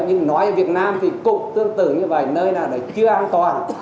nhưng nói ở việt nam thì cũng tương tự như vậy nơi nào đấy chưa an toàn